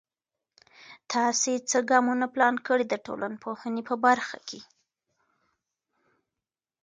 تاسې څه ګامونه پلان کړئ د ټولنپوهنې په برخه کې؟